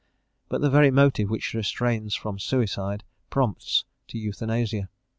But the very motive which restrains from suicide, prompts to euthanasia.